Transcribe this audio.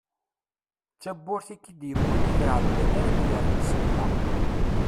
D tawwurt ik-id-yewwin iḍ iɛeddan ara ak-yerren sbeḥ-a.